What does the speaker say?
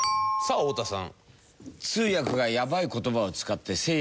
太田さん。